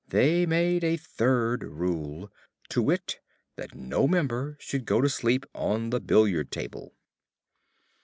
They made a Third Rule; to wit, that no member should go to sleep on the billiard table.